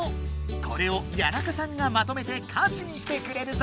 これを谷中さんがまとめて歌詞にしてくれるぞ！